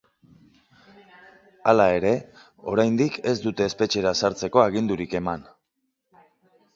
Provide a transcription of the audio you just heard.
Hala ere, oraindik ez dute espetxera sartzeko agindurik eman.